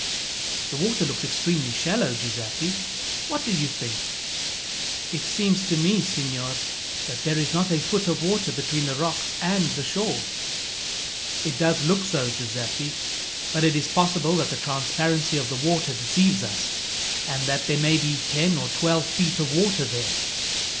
"The water looks extremely shallow, Giuseppi. What do you think?" "It seems to me, signor, that there is not a foot of water between the rocks and the shore." "It does look so, Giuseppi; but it is possible that the transparency of the water deceives us, and that there may be ten or twelve feet of water there.